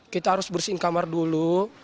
kita harus bersihin kamar dulu